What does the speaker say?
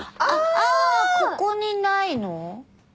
ああここにないの？